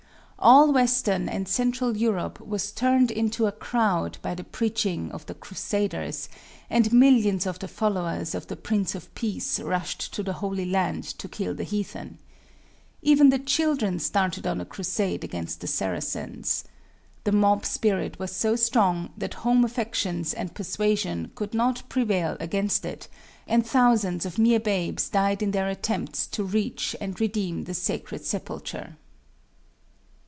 All western and central Europe was turned into a crowd by the preaching of the crusaders, and millions of the followers of the Prince of Peace rushed to the Holy Land to kill the heathen. Even the children started on a crusade against the Saracens. The mob spirit was so strong that home affections and persuasion could not prevail against it and thousands of mere babes died in their attempts to reach and redeem the Sacred Sepulchre.